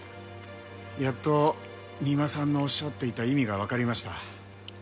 やっと三馬さんのおっしゃっていた意味がわかりました。